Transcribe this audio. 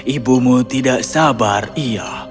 ibumu tidak sabar iya